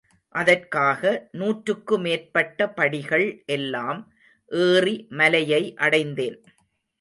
அதற்காக நூற்றுக்கு மேற்பட்ட படிகள் எல்லாம் ஏறி மலையை அடைந்தேன்.